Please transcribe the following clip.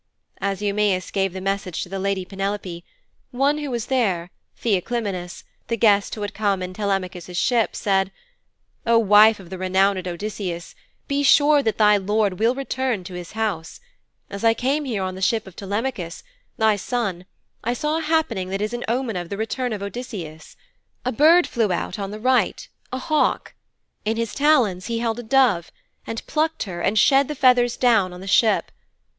As Eumæus gave the message to the lady Penelope, one who was there, Theoclymenus, the guest who had come in Telemachus' ship, said, 'O wife of the renowned Odysseus, be sure that thy lord will return to his house. As I came here on the ship of Telemachus, thy son, I saw a happening that is an omen of the return of Odysseus. A bird flew out on the right, a hawk. In his talons he held a dove, and plucked her and shed the feathers down on the ship.